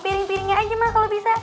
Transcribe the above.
piring piringnya aja mah kalau bisa